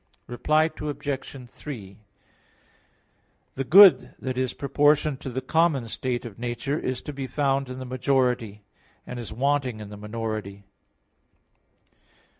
Reply Obj. 3: The good that is proportionate to the common state of nature is to be found in the majority; and is wanting in the minority.